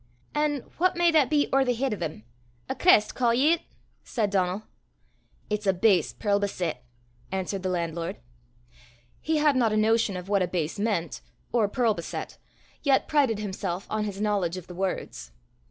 "An' what may that be ower the heid o' them? A crest, ca' ye 't?" said Donal. "It's a base pearl beset," answered the landlord. He had not a notion of what a base meant, or pearl beset, yet prided himself on his knowledge of the words.